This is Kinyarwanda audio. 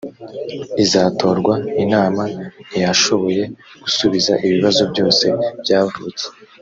izatorwa inama ntiyashoboye gusubiza ibibazo byose byavutse